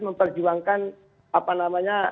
memperjuangkan apa namanya